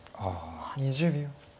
２０秒。